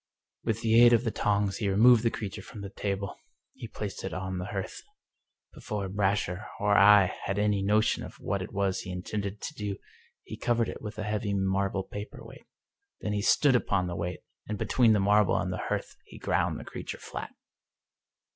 With the aid of the tongs he removed the creature from the table. He placed it on the hearth. Before Brasher or I had a notion of what it was he intended to do he covered it with a heavy marble paper weight. Then he stood upon the weight, and between the marble and the hearth he ground the creature flat.